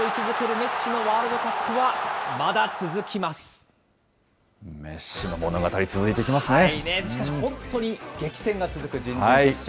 メッシのワールドカップは、まだ続きまメッシの物語、しかし本当に激戦が続く準々決勝。